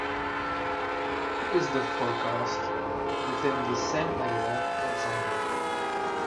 what is the forecast within the same area of Zambia